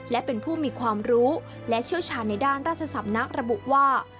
และเป็นผู้มีความรู้และเชี่ยวชาญในด้านราชสำนักระบุว่า